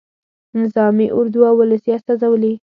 نظامي اردو او ولسي استازولي.